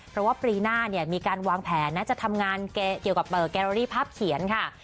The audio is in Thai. เพราะว่าปีหน้าเนี่ยมีการวางแผนนะจะทำงานเกี่ยวกับแกรอรี่ภาพเขียนค่ะ